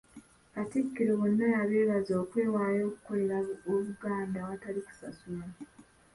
Katikkiro bonna yabeebazizza okwewaayo okukolerera Obuganda awatali kusasulwa.